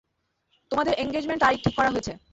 তোমাদের এনগেজমেন্ট তারিখ ঠিক করা হয়েছে।